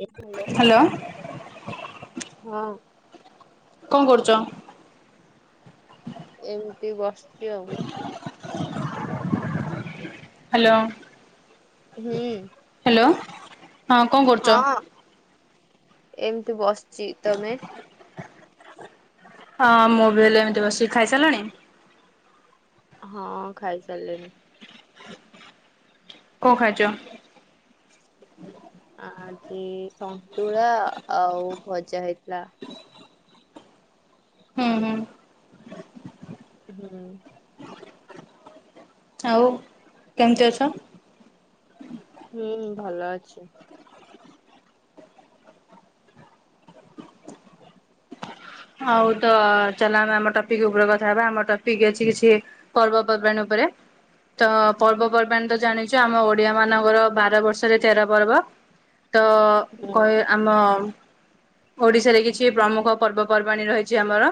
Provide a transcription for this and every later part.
Hello ହଁ। କଣ କରୁଛ? ଏମିତି ବସିଚି ଆଉ। ହ୍ୟାଲୋ। ହୁଁ। ହ୍ୟାଲୋ। ହଁ କଣ କରୁଛ? ହଁ ଏମତି ବସିଛି ତମେ? ହଁ ମୁଁ ବି ହେଲେ ଏମିତି ବସିକି ଖାଇସାରିଲାଣି? ହଁ ଖାଇ ସାରିଲେଣି। କଣ ଖାଇଚ? ଆଜି ସନ୍ତୁଳା ଆଉ ଭଜା ହେଇଥିଲା। ହୁଁ ହୁଁ। ହୁଁ। ଆଉ। କେମତି ଅଛ? ହୁଁ ଭଲ ଅଛି। ହଉ ତ ଚାଲ ଆମେ ଆମ ଟପିକ ଉପରେ କଥା ହେବା ଆମ ଟପିକ ଅଛି କିଛି ପର୍ବପର୍ବାଣୀ ଉପରେ ତ ହୁଁ ପର୍ବପର୍ବାଣିୀ ତ ଜାଣି ଯେ ଆମ ଓଡିଆ ମାନଙ୍କର ବାର ବର୍ଷରେ ତେର ପର୍ବ ତ ହୁଁ। କହି ଆମ ଓଡ଼ିଶାରେ କିଛି ପ୍ରମୁଖ ପର୍ବପର୍ବାଣି ରହିଛି ଆମର।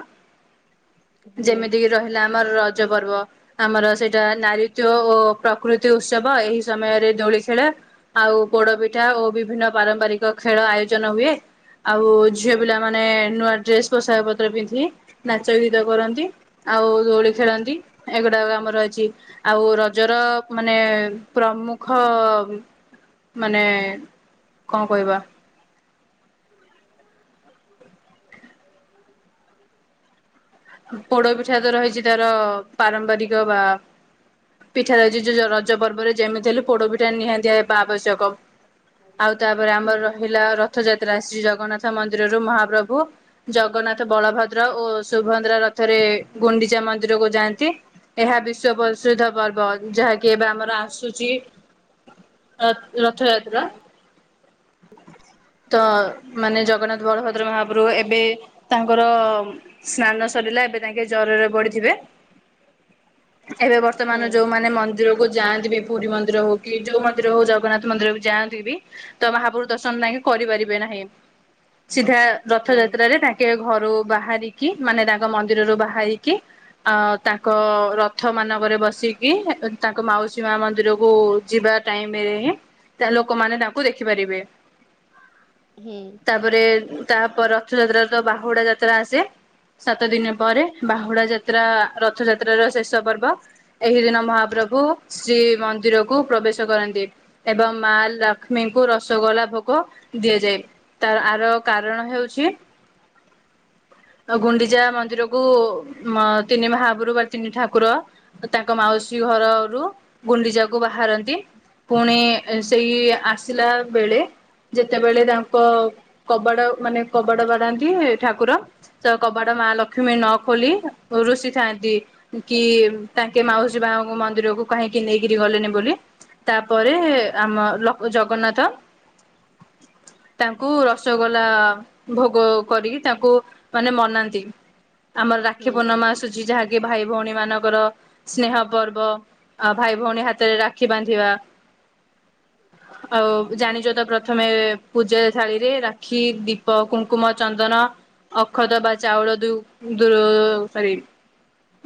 ହୁଁ ଯେମିତିକି ରହିଲା ଆମର ରଜ ପର୍ବ। ଆମର ସେଇଟା ନାରୀିତ୍ୟ ଓ ପ୍ରକୃତି ଉତ୍ସବ ଏହି ସମୟରେ ଦୋଳି ଖେଳେ ଆଉ ପୋଡ ପିଠା ଓ ବିଭିନ୍ନ ପାରମ୍ପରିକ ଖେଳ ଆୟୋଜନ ହୁଏ। ଆଉ ଝିଅ ପିଲା ମାନେ ନୂଆ ଡ୍ରେସ୍ ପୋଷାକ ପତ୍ର ପିନ୍ଧି ନାଚ ଗୀତ କରନ୍ତି ଆଉ ଦୋଳି ଖେଳନ୍ତି। ଏଗୁଡାକ ଆମର ଅଛି ଆଉ ରଜର ମାନେ ପ୍ରମୁଖ ମାନେ କଣ କହିବା ପୋଡ ପିଠା ତ ରହିଛି ତାର ପାରମ୍ପାରିକ ବା ପିଠା ରଉଛି ରଜ ପର୍ବରେ ଯେମିତି ହେଲେ ପୋଡ ପିଠା ନିହାତିଆ ହେବା ଆବଶ୍ୟକ। ଆଉ ତାପରେ ଆମର ହୁଁ ରହିଲା ରଥଯାତ୍ରା ଶ୍ରୀ ଜଗନ୍ନାଥ ମନ୍ଦିରରୁ ମହାପ୍ରଭୁ ଜଗନ୍ନାଥ ବଳଭଦ୍ର ଓ ସୁଭଦ୍ରା ରଥରେ ଗୁଣ୍ଡିଚା ମନ୍ଦିରକୁ ଯାଆନ୍ତି। ଏହା ବିଶ୍ଵ ପ୍ରସିଦ୍ଧ ପର୍ବ ଯାହାକି ଏବେ ଆମର ଆସୁଛି। ର ରଥଯାତ୍ରା। ତ ମାନେ ଜଗନ୍ନାଥ ବଳଭଦ୍ର ମହାପ୍ରଭୁ ଏବେ ତାଙ୍କର ସ୍ନାନ ରିଲା ଏବେ ତାଙ୍କେ ଜରରେ ପଡିିବେ ଏବେ ବର୍ତ୍ତମାନ ହୁଁ ଯୋଉମାନେ ମ ମନ୍ଦିରକୁ ଯାଆନ୍ତି ବି ପୁରୀ ମନ୍ଦିର ହଉ କି ଯୋଉ ମନ୍ଦିର ହଉ ଜଗନ୍ନାଥ ମନ୍ଦିର ବି ଯାଆନ୍ତି ବି ତ ମହାପ୍ରଭୁ ଦର୍ଶନ ନାଇକି କରିପାରିବେ ନାହିଁ ସିଧା ରଥଯାତ୍ରାରେ ତାଙ୍କେ ଘରୁ ବାହାରିକି ମାନେ ତାଙ୍କ ମନ୍ଦିରରୁ ବାହାରିକି ଆ ତାଙ୍କ ରଥ ମାନଙ୍କରେ ବସିକି ତାଙ୍କ ମାଉସୀ ମା ମନ୍ଦିରକୁ ଯିବା ଟାଇମରେ ହିଁ ଲୋକମାନେ ତାଙ୍କୁ ଦେଖିପାରିବେ। ହୁଁ। ତାପରେ ତାପ ରଥଯାତ୍ରାର ତ ବାହୁଡ଼ା ଯାତ୍ରା ଆସେ। ସାତ ଦିନ ପରେ ବାହୁଡା ଯାତ୍ରା ରଥ ଯାତ୍ର ର ଶେଷ ପର୍ବ। ଏହି ଦିନ ମହାପ୍ରଭୁ ଶ୍ରୀ ମନ୍ଦିରକୁ ପ୍ରବେଶ କରନ୍ତି। ଏବଂ ମା ଲକ୍ଷ୍ମୀଙ୍କୁ ରସଗୋଲା ଭୋଗ ଦିଆଯାଏ। ତା ଆର କାରଣ ହେଉଛି ଗୁଣ୍ଡି ପୂଜା ମନ୍ଦିରକୁ ତିନି ମହାପ୍ରଭୁ ବା ତିନି ଠାକୁର ତାଙ୍କ ମାଉସୀ ଘରରୁ ଗୁଣ୍ଡିଚାକୁ ବାହାରନ୍ତି। ପୁଣି ସେଇ ଆସିଲା ବେଳେ ଯେତେବେଳେ ତାଙ୍କ କବାଡ ମାନେ କବାଡ ବା଼ଡାନ୍ତି ଠାକୁର ତ ବାଡ ମା ଲକ୍ଷ୍ମୀ ନ ଖୋଲି ଋଷି ଥାନ୍ତି। କି ତାଙ୍କେ ମାଉସୀ ବାଙ୍କ ମନ୍ଦିରକୁ କାହିଁକି ନେଇକରି ଗଲେନି ବୋଲି। ତାପରେ ଆମ ଜଗନ୍ନାଥ ତାଙ୍କୁ ରସଗୋଲା ଭୋଗ କରିକି ତାଙ୍କୁ ମାନେ ମନା ଆମର ହୁଁ ହୁଁ ରାକ୍ଷୀ ପର୍ଣ୍ଣମା ଆସୁଛି ଯାହା କି ଭାଇ ଭଉଣୀ ମାନଙ୍କର ସ୍ନେହ ପର୍ବ ଆ ଭାଇ ଭଉଣୀ ହାତରେ ରାକ୍ଷୀ ବାନ୍ଧିବା। ଆଉ ଜାଣିଛ ତ ପ୍ରଥମେ ପୂଜା ଥାଳିରେ ରାକ୍ଷୀ ଦୀପ କୁଙ୍କୁମ ଚନ୍ଦନ ଅକ୍ଷତ ବା ଚାଉଳ ଦୁ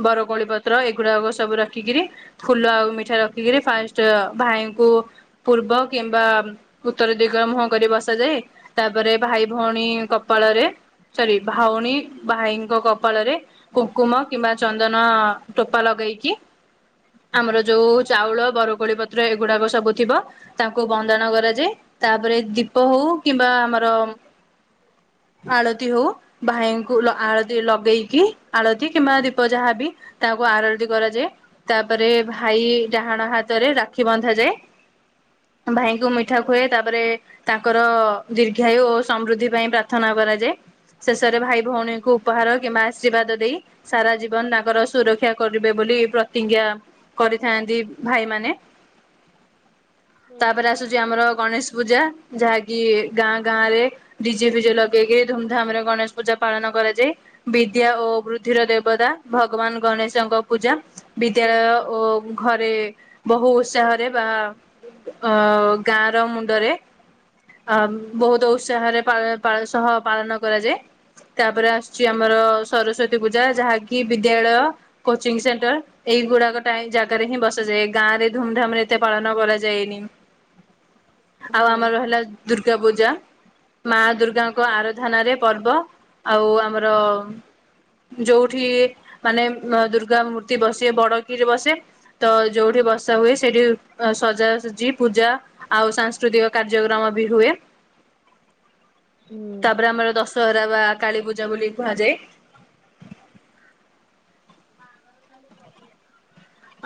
ବରକୋଳି ପତ୍ର ଏଗୁଡାକ ସବୁ ରଖିକିରି। ଫୁଲ ଆଉ ମିଠା ରଖିକିରି ଫାଷ୍ଟ ଭାଇଙ୍କୁ ପୂର୍ବ କିମ୍ବା ଉତ୍ତର ଦିଗ ମୁହଁ କରି ବସାଯାଏ। ତାପରେ ଭାଇ ଭଉଣୀ କପାଳରେ ସରି ଭଉଣୀ ଭାଇଙ୍କ କପାଳରେ କୁକୁମ କିମ୍ବା ଚନ୍ଦନ ଟୋପା ଲଗେଇକି ଆମର ଯୋଉ ଚାଉଳ ବରକୋଳି ପତ୍ର ଏଗୁଡାକ ସବୁ ଥିବ। ତାଙ୍କୁ ବନ୍ଦାଣ କରାଯାଏ ତାପରେ ଦୀପ ହଉ କିମ୍ବା ଆମର ଆଳତି ହଉ ଭାଇଙ୍କୁ ଆଳତି ଲଗେଇକି ଆଳତି କିମ୍ବା ଦୀପ ଯାହାବି ତାକୁ ଆରତି କରାଯାଏ। ତାପରେ ଭାଇ ଡାହାଣ ହାତରେ ରାକ୍ଷୀ ବନ୍ଧାଯାଏ। ଭାଇଙ୍କୁ ମିଠା ଖୋଇ ତା ତାଙ୍କର ଦୀର୍ଘାୟୁ ଓ ସମୃଦ୍ଧି ପାଇଁ ପ୍ରାର୍ଥନା କରାଯାଏ ଶେଷରେ ଭାଇ ଭଉଣୀଙ୍କୁ ଉପହାର କିମ୍ବା ଆଶୀର୍ବାଦ ଦେଇ ସାରା ଜୀବନ ତାଙ୍କର ସୁରକ୍ଷା କରିବେ ବୋଲି ପ୍ରତିଜ୍ଞା କରିଥାନ୍ତି ଭାଇ ମାନେ ତାପରେ ଆସୁ ଆମର ଗଣେଶ ପୂଜା ଯାହାକି ଗାଁ ଗାଁ ରେ ଡିଜେ ଫିଜେ ଲଗେଇକିରି ଧୁମଧାମ ରେ ଗଣେଶ ପୂଜା ପାଳନ କରାଯାଏ ବିଦ୍ୟା ଓ ବୃଦ୍ଧିର ଦେବତା ଭଗବାନ ଗଣେଶଙ୍କ ପୂଜା। ବିଦ୍ୟାଳୟ ଓ ଘରେ ବହୁ ଉତ୍ସାହରେ ବା ଅ ଗାଁ ର ମୁଣ୍ଡରେ ଆ ବହୁତ ଉତ୍ସାହରେ ପାଳ ସହ ପାଳନ କରାଯାଏ। ତାପରେ ଆସୁଛି ଆମର ସ୍ଵରସ୍ଵତୀ ପୂଜା ଯାହାକି ବିଦ୍ୟାଳୟ କୋଚିଂ ସେଣ୍ଟର ଏଇଗୁଡାକ ଟାଇମ ଜାଗାରେ ହିଁ ବସାଯାଏ ଗାଁ ରେ ଧୁମଧାମରେ ଏତେ ପାଳନ କରାଯାଏନି। ଆଉ ଆମର ହେଲା ଦୁର୍ଗା ପୂଜା ମା ଦୁର୍ଗାଙ୍କ ଆରାଧନାରେ ପର୍ବ। ଆଉ ଆମର ଯୋଉଠି ମାନେ ଦୁର୍ଗା ମୂର୍ତ୍ତି ବସେ ବଡ କିିରି ବସେ ତ ଯୋଉଠି ବର୍ଷା ହୁଏ ସେଇଠି ସଜା ସଜି ପୂଜା ଆଉ ସାଂସ୍କୃତିକ କାର୍ଯ୍ୟକ୍ରମ ବି ହୁଏ। ତାପରେ ଆମର ଦଶହରା ବା କାଳୀ ପୂଜା ବୋଲି କୁହାଯାଏ। ବାହାଘର କାଲି [unintelligible]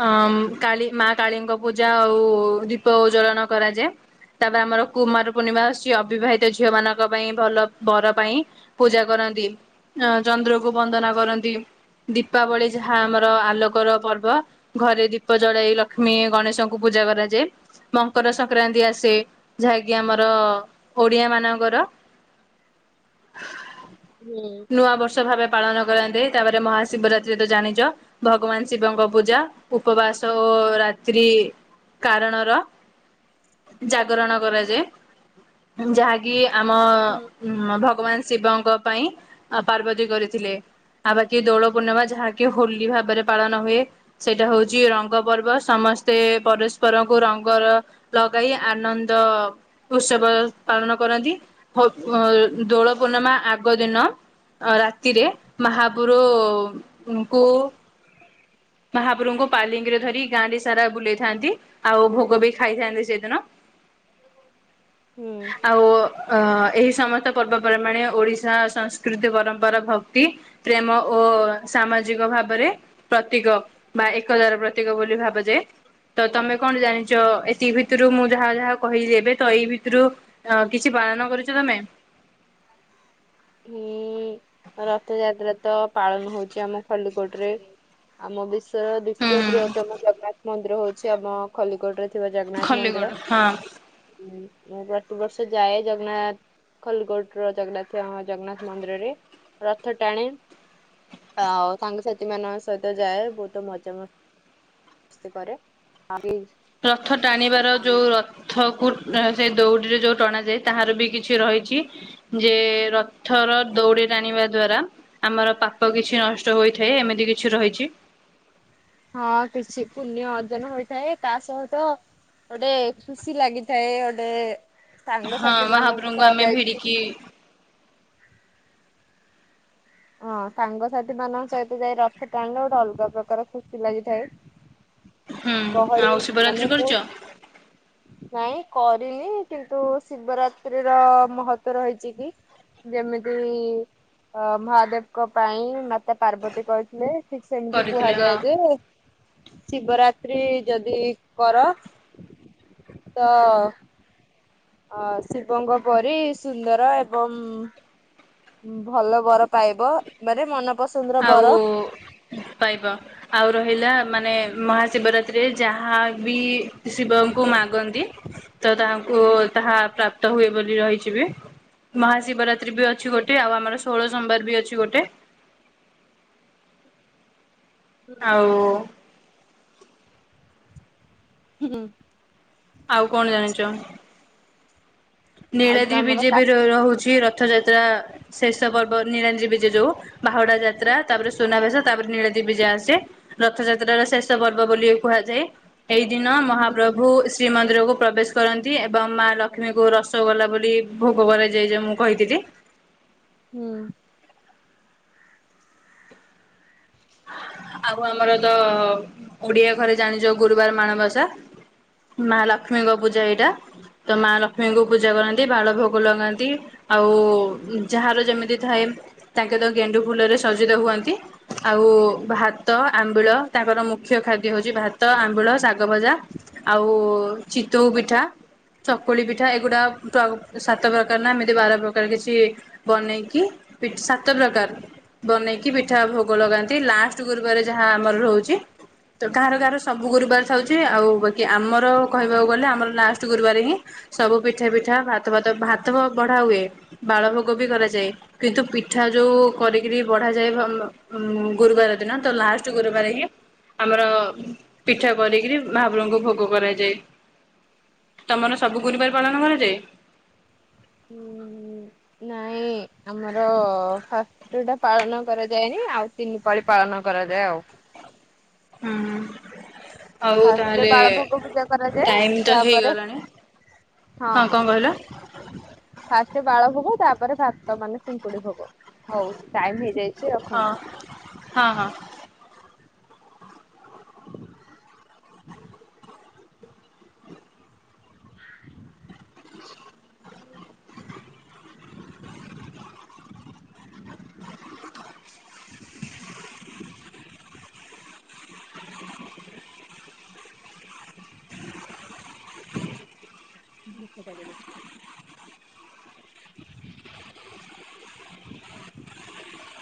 ଅଁ କାଳି ମା କାଳୀଙ୍କ ପୂଜା ଆଉ ଦୀପ ଉଜ୍ବଳନ କରାଯାଏ। ତାପରେ ଆମର କୁମାର ପୂର୍ଣ୍ଣିମା ଆସୁଚି ଅବିବାହି ଟେ ଝିଅ ମାନଙ୍କ ପାଇଁ ଭଲ ବର ପାଇଁ ପୂଜା କରନ୍ତି। ଅ ଚନ୍ଦ୍ରକୁ ବନ୍ଦନା କରନ୍ତି ଦୀପାବଳି ଯାହା ଆମର ଆଲୋକର ପର୍ବ। ଘରେ ଦୀପ ଜଳାଇ ଲକ୍ଷ୍ମୀ ଗଣେଶଙ୍କୁ ପୂଜା କରାଯାଏ ମକର ସଂକ୍ରାନ୍ତି ଆସେ। ଯାହାକି ଆମର ଓଡିଆ ମାନଙ୍କର। ହୁଁ। ନୂଆ ବର୍ଷ ଭାବେ ପାଳନ କରାନ୍ତି ତାପରେ ମହାଶିବରାତ୍ରୀ ତ ଜାଣିଛ ଭଗବାନ ଶିବଙ୍କ ପୂଜା। ଉପବାସ ଓ ରାତ୍ରି କାରଣର। ଜାଗରଣ କରାଯାଏ ଯାହା କି ଆମ ହୁଁ ଉ ଭଗବାନ ଶିବଙ୍କ ପାଇଁ ପାର୍ବତୀ କରିଥିଲେ। ଆଉ ବାକି ଦୋଳ ପୂର୍ଣ୍ଣିମା ଯାହାକି ହୋଲି ଭାବରେ ପାଳନ ହୁଏ। ସେଇଟା ହଉଛି ରଙ୍ଗ ପର୍ବ ସମସ୍ତେ ପରସ୍ପରଙ୍କୁ ରଙ୍ଗର ଲଗାଇ ଆନନ୍ଦ ଉତ୍ସବ ପାଳନ କରନ୍ତି ଭୋ ଭୋ ଦୋଳ ପୂର୍ଣ୍ଣମା ଆ ଆଗ ଦିନ ରାତିରେ ମହାପୁରୁଙ୍କୁ ମହାପ୍ରଭୁଙ୍କୁ ପାଲିଙ୍କିରେ ଧରି ଗାଁ ରେ ସାରା ବୁଲେଇଥାନ୍ତି ଆଉ ଭୋଗ ବି ଖାଇଥାନ୍ତି ସେଦିନ। ହୁଁ। ଆଉ ଏହି ସମସ୍ତ ପର୍ବପର୍ବାଣୀ ଓଡିଶା ସଂସ୍କୃତି ପରମ୍ପରା ଭକ୍ତି। ପ୍ରେମ ଓ ସାମାଜିକ ଭାବରେ ତୀକ ବା ଏକତାର ପ୍ରତୀକ ବୋଲି ଭାବ ଯାଏ। ତ ତମେ କଣ ଜାଣିଚ ଏତିକି ଭିତୁରୁ ମୁଁ ଯାହା ଯାହା କହିିଲି ଏବେ ତ ଏଇ ଭିତରୁ ଅ କିଛି ପାଳନ କରିଚ ତମେ? ହୁଁ ରଥଯାତ୍ରା ତ ପାଳନ ହଉଚି ଆମ ଖଲିକୋଟ ରେ। ଆମ ବିଶ୍ୱର ହୁଁ ଦ୍ଵିତୀୟ ବୃହତମ ଜଗନ୍ନାଥ ମନ୍ଦିର ହଉଛି ଆମ ଖଲିକୋଟରେ ଥିବା ଜଗନ୍ନାଥ ମନ୍ଦିର ଖଲିଗଡ଼। ହଁ। ମୁଁ ମୁଁ ପ୍ରତ ବର୍ଷ ଯାଏ ଜଗନ୍ନାଥ ଖୋଲିକୋଟର ଜଗନ୍ନାଥ ଅଁ ଜଗନ୍ନାଥ ମନ୍ଦିରରେ ରଥ ଟାଣେ। ଆଉ ସାଙ୍ଗସାଥି ମାନଙ୍କ ସହିତ ଯାଏ ବହୁତ ମଜା ମ ସ୍ତି କରେ [unintelligible] ରଥ ଟାଣିବାର ଯୋଉ ର ଥ କୁ ସେ ଦଉଡିରେ ଯୋଉ ଟଣାାଯାଏ ତାହାର ବି କିଛି ରହିଛି। ଯେ ରଥର ଦଉଡି ଟଣିବା ଦ୍ଵାରା ଆମର ପାପ କିଛି ନଷ୍ଟ ହୋଇଥାଏ ଏମିତି କିଛି ରହିଛି। ହଁ କିଛି ପୁଣ୍ୟ ଅର୍ଜନ ହୋଇଥାଏ ତା ସହିତ ଗୋଟେ ଖୁସି ଲାଗିଥାଏ ଗୋଟେ ହଁ ସାଙ୍ଗସାଥି ମାନଙ୍କ ମହାପ୍ରଭୁଙ୍କୁ ସହ ଆମେ ଯାଇକି ଭିଡିକି ହଁ ସାଙ୍ଗସାଥି ମାନଙ୍କ ସହିତ ଯାଇ ରଥ ଟାଣିଲେ ଗୋଟେ ଅଲଗା ପ୍ରକାର ଖୁସି ଲାଗିଥାଏ। ହୁଁ ଆଉ ଗହଳି ଶିବରାତ୍ରି ମାନେ କରିଛ? ବହୁତ୍ ନାଇଁ କରିନି କିନ୍ତୁ ଶିବରାତ୍ରି ର ମହତ୍ଵ ରହିଛି କି ଯେମିତି ଅ ମହାଦେବଙ୍କ ପାଇଁ ମାତା ପାର୍ବତୀ କହି ନାଇ ଠିକ ସେମିତି କରିଥିଲେ ହଁ। କୁହାଯାଏ ଯେ ଶିବରାତ୍ରି ଯଦି କର ତ ଅ ଶିବଙ୍କ ପରି ସୁନ୍ଦର ଏବଂ ଭଲ ବର ପାଇବ। ମାନେ ମନ ପସନ୍ଦ ଆଉ ପାଇବ ଆଉ ରହିଲା ମାନେ ମହାଶିବରାତ୍ରିରେ ଯାହା ବି ଶିବଙ୍କୁ ମାଗନ୍ତି ତା ଓ ତାହା ପ୍ରାପ୍ତ ହୁଏ ବୋଲି ରହିଚି ବି ମହାଶିବରାତ୍ରୀ ବି ଅଛି ଗୋଟେ, ଆଉ ଆମର ଷୋହଳ ସୋମବାର ବି ଅଛି ଗୋଟେ। ଆଉ ହୁଁ। ଆଉ କଣ ଜାଣିଚ ଆଉ ତ ଆମର ନୀଳାଦ୍ରିବିଜେ ବି ରହୁଚି ରଥଯାତ୍ରା ଶେଷ ପର୍ବ ନିଳାଦ୍ରୀବିଜେ ଯୋଉ ବାହୁଡା ଯାତ୍ରା ତାପରେ ସୁନାବେସ ତାପରେ ନିଳାଦ୍ରୀବିଜେ ଆସେ। ରଥଯାତ୍ରାର ଶେଷ ପର୍ବ ବୋଲି କୁହାଯାଏ। ଏଇ ଦିନ ହୁଁ ମହାପ୍ରଭୁ ଶ୍ରୀମନ୍ଦିରକୁ ପ୍ରବେଶ କରନ୍ତି, ଏବଂ ମା ଲକ୍ଷ୍ମୀଙ୍କୁ ର ଗଲା ବୋଲି ଭୋଗ କ ଯାଇ ମୁଁ କହିଥିଲି। ହୁଁ। ଆଉ ଆମର ତ ଓଡିଆ ଘରେ ଜାଣିଚ ଗୁରୁବାର ମାଣବସା। ମା ଲକ୍ଷ୍ମୀଙ୍କ ପୂଜା ଏଇଟା। ତ ମା ଲକ୍ଷ୍ମୀଙ୍କୁ ପୂଜା କରନ୍ତି, ବାଳ ଭୋଗ ଲଗାନ୍ତି। ଆଉ ଯାହାର ଯେମିତି ଥାଏ ତାଙ୍କେ ତ ଗେଣ୍ଡୁ ଫୁଲରେ ସଜିତ ହୁଅନ୍ତି। ଆଉ ଭାତ ଆମ୍ବିଳ ତାଙ୍କର ମୁଖ୍ୟ ଖାଦ୍ୟ ହୋଉଚି ଭାତ ଆମ୍ବିଳ ଶାଗ ଭଜା। ଆଉ ଚିତଉ ପିଠା। ଚକୁଳି ପିଠା ଏଗୁଡ଼ା ପ୍ର ସାତ ପ୍ରକାର ନା ଏମିତି ବାର ପ୍ରକାର କିଛି ବନେଇକି ପିଠ ସାତ ପ୍ରକାର ବନେଇକି ପିଠା ଭୋ ଗୋ ଲଗାନ୍ତି ଲାଷ୍ଟ ଗୁରୁବାର ଯାହା ଆମର ରହୁଛ ତ କାହାର କାହାର ସବୁ ଗୁରୁବାର ଥାଉଛି ଆଉ ବାକି ଆମର କହିବାକୁ ଗଲେ ଆମର ଲାଷ୍ଟ ଗୁରୁବାର ହିଁ ସବୁ ପିଠା ପିଠା ଭାତ ଭାତ ଭାତ ବଢା ହୁଏ। ବାଳ ଭୋଗ ବି କରାଯାଏ କିନ୍ତୁ ପିଠା ଯୋଉ କରିକିରି ବଢାଯାଏ ଭୋ ଗୁରୁବାର ଦିନ ତ ଲାଷ୍ଟ ଗୁରୁବାର ହିଁ ଆମର ପିଠା କରିକିରି ମହାପ୍ରଭୁଙ୍କୁ ଭୋଗ କରାଯାଏ। ତମର ସବୁ ଗୁରୁବାର ପାଳନ କରାଯାଏ? ନାଇଁ ଆମର ତ ଏଇଟା ପାଳନ କରାଯାଏନି ଆଉ ତିନି ପାଳି ପାଳନ କରାଯାଏ ଆଉ। ହୁଁ। ଆଉ ଫାଷ୍ଟରେ ତାହେଲେ ବାଳ ଭୋଗ ପୂଜା କରାଯାଏ ଟାଇମ୍ ତ ତାପରେ ହେଇଗଲାଣି। ହଁ କଣ କହିଲ? ଫାଷ୍ଟ ବାଳ ଭୋଗ ତାପରେ ଭାତ ମାନେ ସିଙ୍କୁଡି ଭୋଗ। ହୋଉ ଟାଇମ ହେଇଯାଇଚି ହଁ ରଖନ୍ତୁ। ହଁ ହଁ। [unintelligible] [unintelligible] [inaudible] [inaudible] [unintelligible] [inaudible]